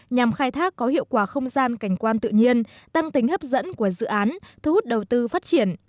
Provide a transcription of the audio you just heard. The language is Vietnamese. nhằm khai thác có hiệu quả không gian cảnh quan tự nhiên tăng tính hấp dẫn của dự án thu hút đầu tư phát triển